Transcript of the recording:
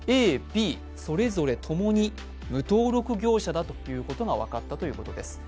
Ａ、Ｂ、それぞれ共に無登録業者だということが分かったということです。